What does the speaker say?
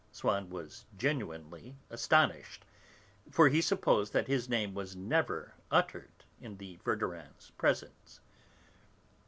Swann was genuinely astonished, for he supposed that his name was never uttered in the Verdurins' presence.